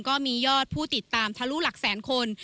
ก็มียอดผู้ติดตามทะลุหลักแสนคน